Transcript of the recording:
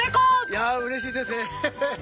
いやぁうれしいですね。